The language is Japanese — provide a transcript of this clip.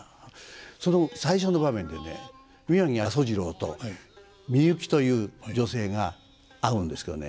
その最初の場面でね宮城阿曾次郎と深雪という女性が会うんですけどね